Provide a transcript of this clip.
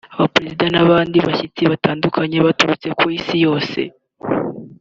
Abaperezida n’abandi bashyitsi batandukanye baturutse ku Isi yose